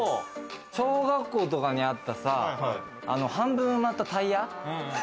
小学校とかにあったさ、半分埋まったタイヤ。